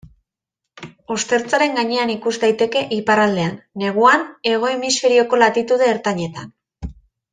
Ostertzaren gainean ikus daiteke, iparraldean, neguan Hego Hemisferioko latitude ertainetan.